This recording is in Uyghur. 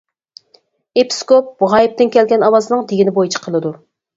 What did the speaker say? ئېپىسكوپ غايىبتىن كەلگەن ئاۋازنىڭ دېگىنى بويىچە قىلىدۇ.